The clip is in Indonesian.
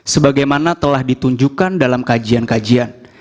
sebagaimana telah ditunjukkan dalam kajian kajian